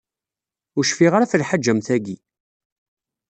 Ur cfiɣ ara ɣef lḥaǧa am tagi.